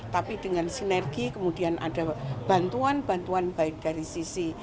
tapi dengan sinergi kemudian ada bantuan bantuan baik dari sisi